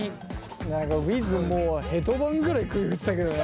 何かうぃずもうヘドバンぐらい首振ってたけどね。